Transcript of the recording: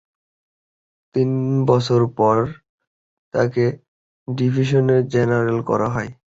তিন বছর পর তাঁকে ডিভিশনের জেনারেল করা হয়।